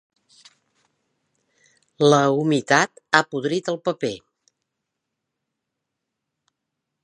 La humitat ha podrit el paper.